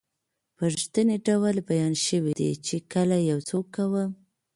په رښتني ډول بیان شوي دي چې کله یو څوک کوم